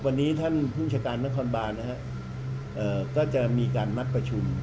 วันนี้ท่านผู้จัดการนครบานก็จะมีการนัดประชุม